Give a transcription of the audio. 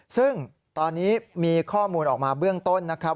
ซึ่งตอนนี้มีข้อมูลออกมาเบื้องต้นนะครับ